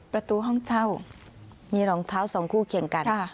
ประตูห้องเช่ามีรองเท้าสองคู่เคียงกัน